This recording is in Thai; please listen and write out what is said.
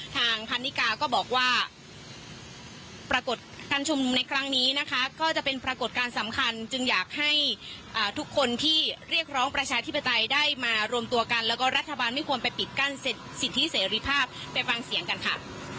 ทางพันนิกาก็บอกว่าปรากฏการชุมนุมในครั้งนี้นะคะก็จะเป็นปรากฏการณ์สำคัญจึงอยากให้ทุกคนที่เรียกร้องประชาธิปไตยได้มารวมตัวกันแล้วก็รัฐบาลไม่ควรไปปิดกั้นสิทธิเสรีภาพไปฟังเสียงกันค่ะ